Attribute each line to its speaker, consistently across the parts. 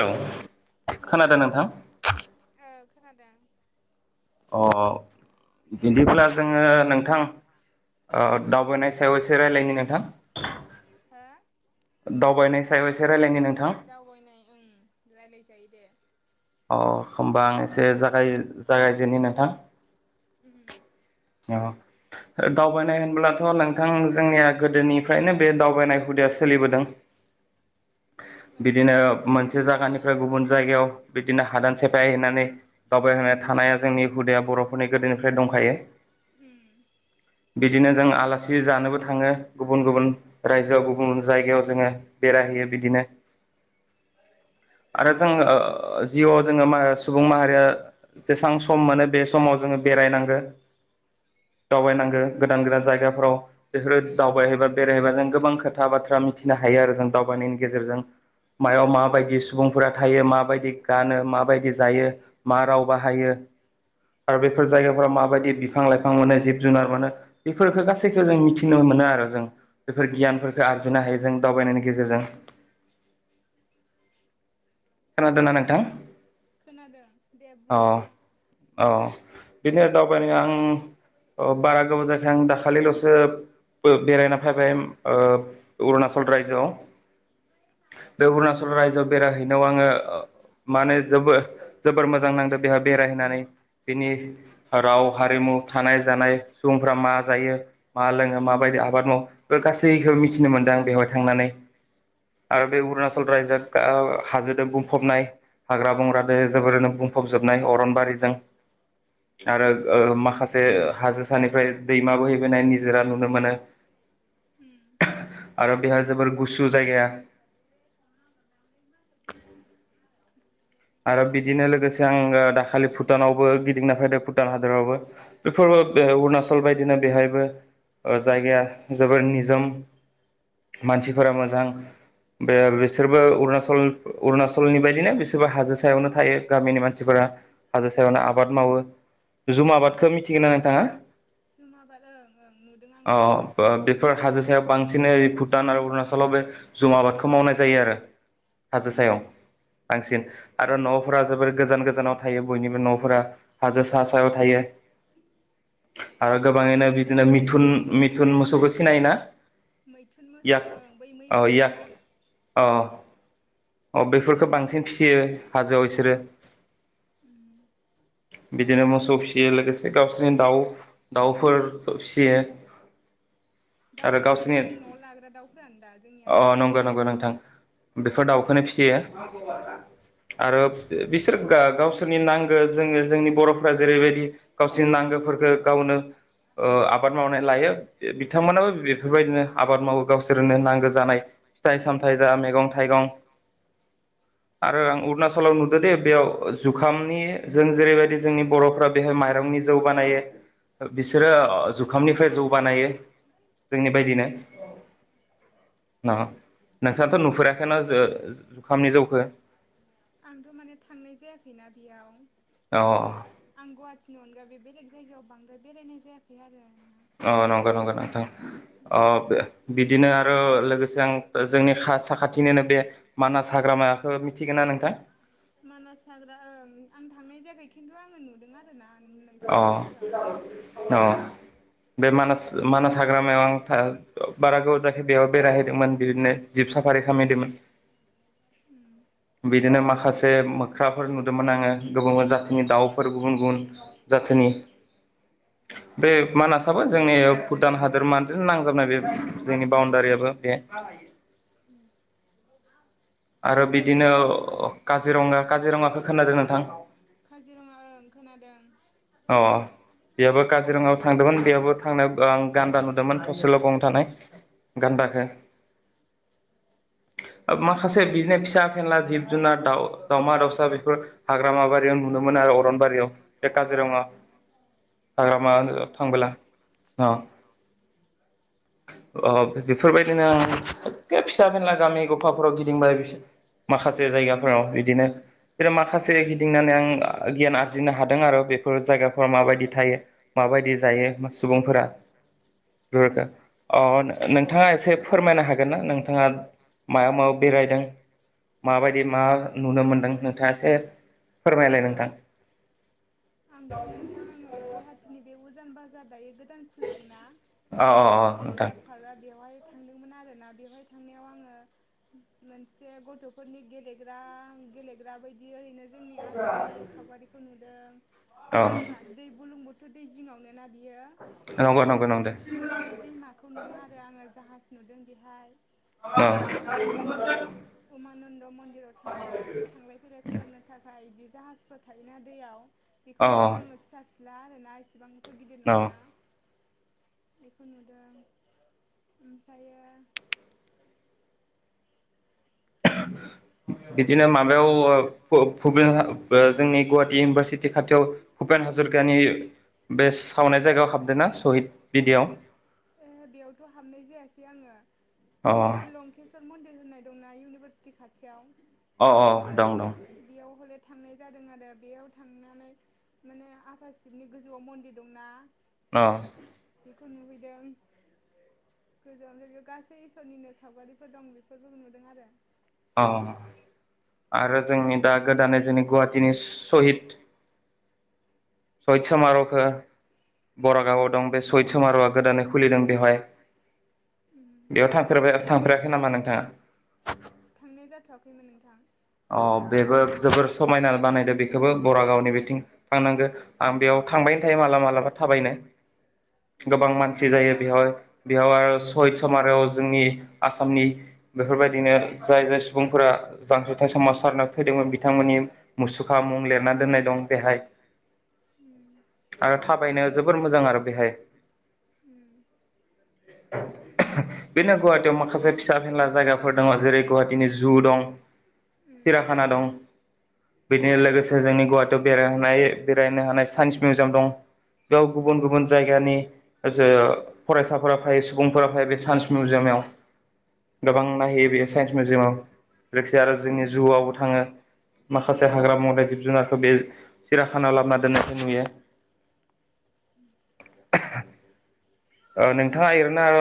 Speaker 1: हेल' खोनादो नोंथां?
Speaker 2: ओ खोनादों
Speaker 1: अ बिदिब्ला जोङो नोंथां ओ दावबायनाय सायाव एसे रायज्लायनि नोंथां।
Speaker 2: हो
Speaker 1: दावबायनाय सायाव एसे रायलायनि नों
Speaker 2: दावबायनाय उम रायलायजायो दे
Speaker 1: अ होमबा आं एसे जागाय जागायजेनि नोंथां।
Speaker 2: उम
Speaker 1: औ [inaudible] दावबायनाय होनब्लाथ' नोंथां जोंनिया गोदोनिफ्रायनो बे दावबायनाय हुदाया सोलिबोदों। बिदिनो मोनसे जायगानिफ्राय गुबुन जायगायाव बिदिनो हादान सेफाय होननानै दावबायहोनो थानाया जोंनि हुदाया बर'फोरनि गोदोनिफ्राय दंखायो। [inaudible] बिदिनो जों आलासि जानोबो थाङो गुबुन गुबुन रायजोआव गुबुन गुबुन जायगायाव जोङो बेराय हैयो बिदिनो आरो जों ओ जिउआव जोङो मा सुबुं माहारिया जेसेबां सम मोनो बे समाव जोङो बेरायनांगो। [inaudible] दावबायनांगो गोदान गोदान जायगाफोराव बेफोरो दावबायहैबा बेरायहैबा जों गोबां खोथा बाथ्रा मिथिनो हा रो आरो दावनायनि गेजेरजों मायाव माबायदि सुबुंफोरा थायो मा गानो माबायदि जायो मा राव बाहायो। आरो बेफोर जायगाफोराव माबायदि बिफां लाइफां मोनो जिब जुनार मोनो बेफोरफोरखौ गासैखौ जों मिथिनो मो नो आरो जों बेफोर गियानफोरखौ आरजिनो हायो जों दावबायनायनि गेजेरजों [inaudible] खोनादोंना नोंथां अ अ बिनि दावबायनायाव आं बारा गोबाव जायाखाय आं दाखालिल'सो बेरायना फाबाय ओ अरुणाचल रायजोआव बे अरुणचल रायजोआव बेराय हैैनायाव आङो माने जोबो जोबोर मोजां नांदों बेहा बेरायहैनानै बिनि राव हारिमु थानाय जानाय सुबुंफ्रा मा जायो मा लोङो माबायदि गासैखौबो मिथिनो मोनदों आं बेवहाय थांनानै आरो बे अरुणचल रायजो [unintelligible] हाजोदो बुंफबनाय हाग्रा बंग्रादो जोबोरैनो बुंफबजोबनाय अरनबारिजों आरो ओ माखासे हाजोसानिफ्राय दैमाबो बोहैनाय निजोरा नुनो मो नो आरो बेहाय जोबोर गुसु जायगाया आरो बिदिनो लोगोसे आङो दाखालि भुटानावबो गिदिंना फैदों भुटान हादरावबो बेफोर अरुणाचल बायदिनो बेहायबो जायगाया जोबोर निजोम मानसिफोरा मोजां बिसोरबो उरणाक अरुणचलनि बायदिनो बिसोर सोरबा हाजो सायावनो थायो गामिनि मानसिफोरा हाजो सायावनो आबाद मावो। जुम बादखौ मिथिगोना नोंथांङा?
Speaker 2: [inaudible]
Speaker 1: बेफोर हाजो सायाव बांसिनै भुटान आरो अरुणाचलाव बे जुम आबादखौ मावनाय जायो आरो। हाजो सायाव बांसिन आरो न'फोरा जोबोर गोजान गोजानाव थायो बयनिबो न'फोरा हाजो सा सायाव थायो। आरो गोबांङैनो बिदिनो मिथुन मिथुन मोसौखौ सिनायोना।
Speaker 2: [inaudible]
Speaker 1: अ बेफोरफोरखौो बांसिन फिसियो हाजोआव बिसोरो बिदिनो मोसौ फिसियो लोगोसे गावसोरनि दाउ दाउफोर फिसियो।
Speaker 2: दाउफोर माने जों न'आव लाग्रा दाउफोरानो दा जोंनि आसामनि बायदिया
Speaker 1: बेफोर दाउखौनो फिसियो आरो। बिसोर गावसोरनि नांगो जोंङो जोंनि बर'फ्रा जेरैबायदि गावसोरनि नांगोफोरखौ गावनो आबाद मावनाय लायो बिथांमोनाबो बेफोरबायदिनो आबाद मावो गावसोरनो नांगौ जानाय फिथाइ सामथाइ जा मैगं थाइगं आरो आं अरुनाचलाव नुदों दे। बेयाव जुखामनि जों जेरैबायदि जोंनि बर'फ्रा बेहाय माइरंनि जौ बानायो। बिसोरो जुखामनिफ्राय जौ बानायो जोंनि बायदिनो नोंथांङाथ' नुफेराखैना ज जुखामनि जौखौ
Speaker 2: आंथ' माने थांनाय जायाखैना बेयाव
Speaker 1: औ
Speaker 2: बिसिनि अनगा बेलेग जायगायाव बांद्राय बेरायनाय जायाखै आरो।
Speaker 1: अ नंगौ नंगौ नोंथां अ बिदिनो आरो लोगोसे आं जोंनि साखाथिनिनो बे मानास हाग्रामखौ मिथिगोना नोंथां?
Speaker 2: मानास हाग्रा ओं आं थांनाय जायाखाय खिन्थु आंङो नुदों आरो ना।
Speaker 1: अ औ बे मानास मानास हाग्रामायाव आं बारा गोबाव जायाखै बेयाव बेरायहैदोंमोन। बिदिनो जिब साफारि खामायदोंमोन। बिदिनो माखासे मोख्राफोर नुदोंमोन आंङो गुबुन गुबुन जाथिनि दाउफोर गुबुन गुबुन जाथिनि बे मानासाबो जोंनि भुटान हादोर माजोंनो नांजाबनाय बे जोंनि बाउण्डारिया अ बे
Speaker 2: उम
Speaker 1: आरो बिदिनो काजिरङा काजिरङाखौ खोनादों नोंथां।
Speaker 2: खोनादों।
Speaker 1: औ बेहाबो काजिरङायाव थांदोंमोन बेहाबो थांनायावं गान्दा नुदोंमोन थसेल' गं थानाय गान्दाखौ माखासे बिदिनो फिसा फेनला जिब जुनार दाउ दाउमा दाउसा बेफोर हाग्र माबारियाव नुनो मोन आरो अरनबारियाव काजिरङा हाग्रामा ओनोलाव थांबोला अ [unintelligible] अ बेफोरबायदिनो एखे फिसा फेनला गामि गफाफोराव गिदिंबाय बिसोर माखासे जायगाफोराव बिदिनो बि माखासे गिदिंनानै आं गियान आरजिनो हादों आरो। बेफोर जायगाफोरा माबायदि थायो माबायदि जायो सुबुंफोरा? [unintelligible] अ नोंथांङा एसे फोरमायनो हागोन ना नोंथांङा माया मायाव बेरायदों? माबायदि मा नुनो मोनदों नोंथांङा एसे फोरमायलाय नोंथां?
Speaker 2: आंथ' नोंथां आंङो गुवाहाटिनि बे- उजान बाजार दायो गोदान खुलिदोंना बेराय बेवहाय थांदोंमोन आरोना बेवहाय थांनायाव आङो मोनसे गथ'फोरनि गेलेग्रा गेलेग्रा बायदि ओरैनो जोंनि आसामनि सावगारिखौ नुदों दैमा दै बुरलुंबुथुर दै जिङावनो ना बियो बे दैमाखौ नुदों आरो आङो जाहाज नुदों बेहाय।
Speaker 1: औ
Speaker 2: उमानन्द मन्दिराव थांग्रा थांलाय फैलाय खालामनो थाखाय बिदि जाहाजफोर थायोना दैयाव बेखौ नुदों आङो फिसा फिला आरोना इसिबां थ' गिदिर नङाना बेखौ नुदों ओमफ्रायो
Speaker 1: [unintelligible] बिदिनो माबायाव ओ भु जोंनि गुवाहाटि इउनिभारसिटि खाथियाव भुपेन हा जरिकानि बे सावनाय जायगायाव हाबदों ना सहिद बिदियाव
Speaker 2: ए बेयावथ' हाबनाय जायासै आङो खिन्थु बै लंकेशवर मन्दिर होननाय दंना इउनिभारसिटि खाथियाव
Speaker 1: अ अ दं दं
Speaker 2: थांनाय जादों आरो बेयाव थांनानै माने आफा सिशबनि गोजौआव मन्दिर दंना
Speaker 1: औ
Speaker 2: बेखौ नुहैदों। गोजौयाव जेनेबा गासै इसोरनिनो सावगारिफोर दं बेफोरबो नुदों आरो।
Speaker 1: औ आरो जोंनि दा गोदानै जोंनि गुवाहाटिनि सहिद सहिद समार'खौ बरागावआव दं बे सहिद समार'आ गोदानै खुलिदों बेवहाय। बेयाव थांफेबाय थांफेराखै नामा नोंथाङा?
Speaker 2: थांथ'खैमोन नोंथां।
Speaker 1: अ बेबो जोबोर समायना बानायदो बेखौबो बरागावनि बिथिं थांनांगो आं बेयाव थांबायनो थायो मालाबा मालाबा थाबायनो गोबां मानसि जायो बेयाव बेयाव आरो सहिद साराव जोंनि आसामनि बेफोरबायदिनो जाय जाय सुबुंफोरा जांख्रि थाय समाव सारनाव थैदोंमोन बिथांमोननि मुसुखा मुं लिरना दोननाय दं बेहाय। आरो थाबायनो जबोर मोजां आरो बेहाय
Speaker 2: उम
Speaker 1: [unintelligible] बेनो गुवाहाटियाव माखासे फिसा फेनला जायगाफोर दङ जेरै गुवाहाटिनि जु दं। सिराखाना दं। बिदिनो लोगोसे जोंनि गुवाहाटियाव बेराय बेरायनो हानाय साइन्स मिउजियाम दं। बेयाव गुबुन गुबुन जायगानि जे फरायसाफोरा फै सुबुंफोरा फायो बे साइन्स मिउजियाम गोबां नायहैयो बे साइन्स मिउजियामाव जायखि आरो जोंनि जिउआवबो थाङो। माखासे हाग्रा बंग्रा जिब जुनारखौ बे सिराखाना लाबोना दोननायखौ नुयो। [unintelligible] ओ नोंथाङा ओरैनो आरो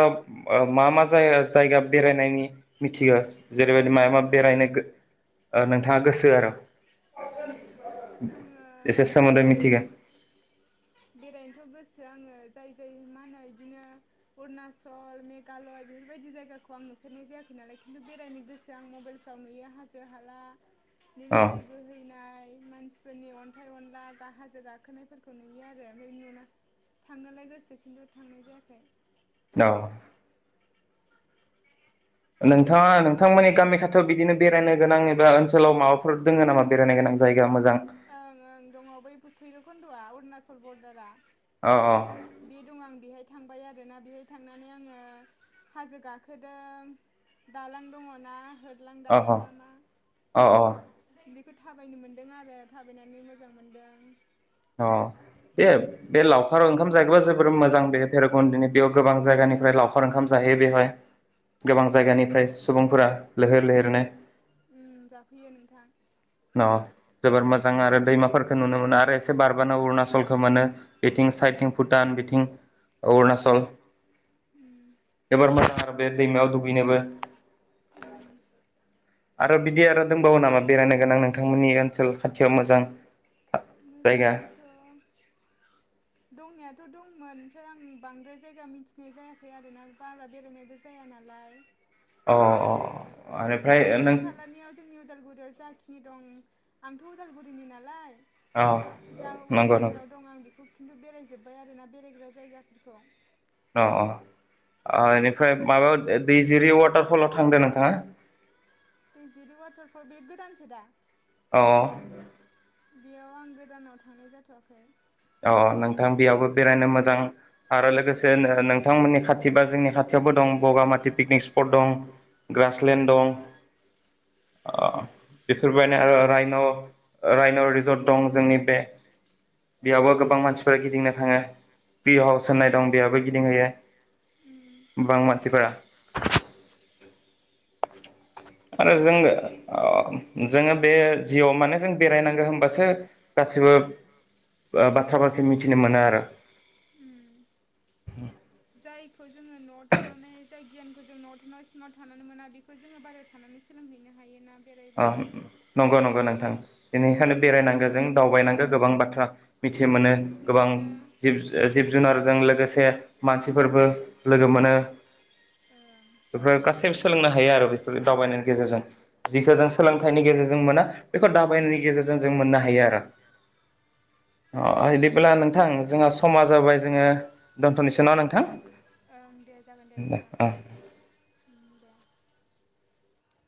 Speaker 1: ओ मा मा जायगा बेरायनायनि मिथिगौ? ओरैबायदि मा मा बेरायनो ओ नोंथाङा गोसो आरो एसे सोमोनदो मिथिगौ।
Speaker 2: थ' गोसो आङो जाय जाय मा होनो बिदिनो अरुणाचल मेघालय बेफोरबायदि जायगा खौ आं नुफेरनाय जायाखै नालाय खिन्थु बेरायनो गोसो आं मबाइलफ्राव नुयो हाजो हाला बिदिनो दै बोहैनाय मानसिफोरनि अन्थाइ अनला हाजो गाखोनायफोरखौ नुयो आरो। ओरैनो थांनोलाय गोसो खिन्थु थांनाय जायाखै।
Speaker 1: औ नोंथाङा नोंथां मानि गामि खाथियाव बिदिनो बेरायनो गोनां एबा ओनसोलाव माबाफोर दोङो नामा बेरायनो गोनां जायगा मोजां
Speaker 2: ओं ओं दङ बै भैरबकुन्द'आ अरुणाचल बरदाराव बे दं आं बेहाय थांबाय आरोना बेहाय थांनानै आङो हाजो गाखोदों। दालां दङना बारलां दालां ना मा बेखौ थाबायनो मोन्दों आरो। थाबायनानै मोजां मोनदों।
Speaker 1: औ बे बे लावखार ओंखाम जायोबा जोबोर मोजां बे भैेरबकुन्दनि बेयाव गोबां जायगानिफ्राय लावखार ओंखाम जायो। जायो बेवहाय गोबां जायगानिफ्राय सुबुंफोरा लैहोर लैहोरनो
Speaker 2: जाफैयो नोंथां।
Speaker 1: ना जोबोर मोजां आरो दैमाफोरखौ नुनो मोनो आरो एसे बारबानो अरुणचलखौ मोनो बिथिं बे साइडथिं भुटान बिथिं अरुणाचल जोबोर मोजां आरो बे दैमायाव दुगैनोबो
Speaker 2: हम
Speaker 1: आरो बिदि आरो दंबावो नामा बेरायनो गोनां नोंथांमोननि ओनसोल खाथियाव मोजां
Speaker 2: बिदिथ' दंनाया थ दंमोन दंमोन ओमफ्राय आं बांद्राय जायगा मिथिनाय जायाखै आरोना बाला बेरायनायबो जाया नालाय।
Speaker 1: अ अ
Speaker 2: होमबाबो खाथि खालानियाव जोंनि उदालगुरियाव जाखिनि दं आंथ' उदालगुरिनि नालाय। जा उदालगुरियाव दं आं बेखौ खिन्थु बेरायजोबबाय आरो ना बेरायग्रा जायगाफोरखौ
Speaker 1: अ अ बेनिफ्राय माबायाव दैजिरि वाटारफलाव थांदो नोंथाङा।
Speaker 2: दैजिरि वाटारफल बे गोदानसो दा
Speaker 1: औ
Speaker 2: बेयाव आं गोदानाव थांनाय जाथ'वाखै
Speaker 1: औ नोंथां बेयावबो बेरायनो मोजां आरो लोगोसे नोंथांमोननि खाथि बा जोंनि खाथियावबो दं बगामाथि पिकनिक् स्पट दं ग्रासलेणड दङ। बेफोरबायनो आरो रायन' रायन' रिजर्ट दं जोंनि बे बेयावबो गोबां मानसिफोरा गिदिंनो थाङो पि हाउस होननाय दं बेयावबो गिदिंहैयो। गोबां मानसिफोरा आरो जोङो जोङो बे जिउआव माने जों बेरायनांगौ होनबासो गासै गासिबो बाथ्राफोरखौ मिथिनो मोनो आरो। ह
Speaker 2: बे खौ जोङो न'आव थानानै जाय गियानखौ जों न'आव थानानै सि्मार्ट थानानै मोना बेखौ जोङो बाहेरायाव थानानै सोलोंहैनो
Speaker 1: [inaudible] नंगौ नंगौ नोंथां बेनिखायनो बेरायनांगौ जों दावबायनांगौ गोबां बाथ्रा मिथि मोनो गोबां जि जिब जुनारजों लोगोसे मानसिफोरबो लोगो मोनो। बेफोर गासैबो सोलोंनो हायो आरो बेफोर दावबायनायनि गेजेरजों जों सोलोंथाइनि गेजेरजों मोना बेखौ दावायनायनि गेजेरजों जों मोननो हायो आरो। अ अब्ला नोंथां जोंहा समा जाबाय जोङो दोनथ'निसो ना नोंथां?
Speaker 2: दे जागोन दे नोंथां दे